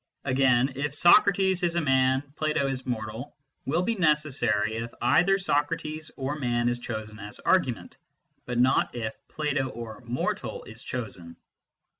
Again, " if Socrates is a man, Plato is mortal," will be necessary if either Socrates or man is chosen as argument, but not if Plato or mortal is chosen.